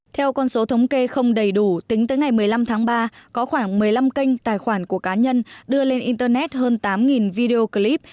theo con số thống kê không đầy đủ tính tới ngày một mươi năm tháng ba có khoảng một mươi năm kênh tài khoản của cá nhân đưa lên internet hơn tám video clip